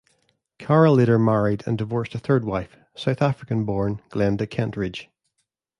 Carroll later married and divorced a third wife, South African-born Glenda Kentridge.